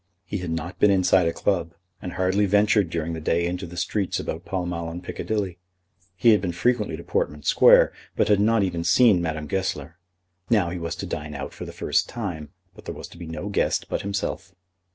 He had not been inside a club, and hardly ventured during the day into the streets about Pall Mall and Piccadilly. He had been frequently to Portman Square, but had not even seen Madame Goesler. Now he was to dine out for the first time; but there was to be no guest but himself.